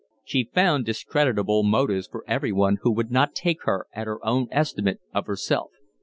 She found discreditable motives for everyone who would not take her at her own estimate of herself.